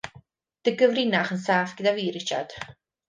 Dy gyfrinach yn saff gyda fi Richard.